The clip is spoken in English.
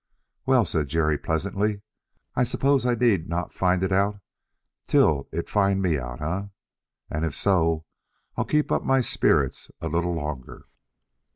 "Well," said Jerry pleasantly, "I suppose I need not find it out till it find me out, eh? And if so, I'll keep up my spirits a little longer."